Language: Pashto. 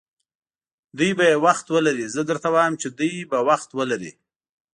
دوی به یې وخت ولري، زه درته وایم چې دوی به وخت ولري.